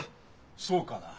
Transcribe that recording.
そうかな？